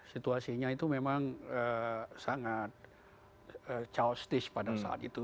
situasinya itu memang sangat charge pada saat itu